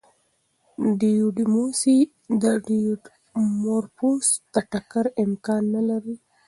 ډیډیموس او ډیمورفوس د ټکر امکان نه لري.